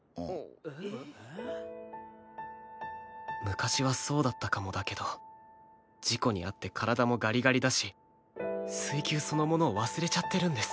昔はそうだったかもだけど事故に遭って体もガリガリだし水球そのものを忘れちゃってるんです。